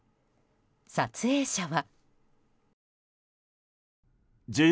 撮影者は。